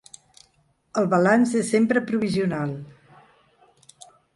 El balanç és sempre provisional.